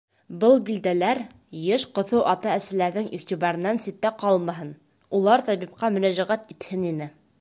Был билдәләр, йыш ҡоҫоу ата-әсәләрҙең иғтибарынан ситтә ҡалмаһын, улар табипҡа мөрәжәғәт итһен ине.